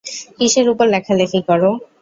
কিসের উপর লেখালেখি করো?